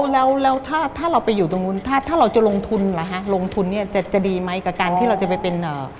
แล้วถ้าเราไปอยู่ตรงนู้นถ้าเราจะลงทุนละฮะลงทุนเนี่ยจะดีไหมกับการที่เราจะไปเป็น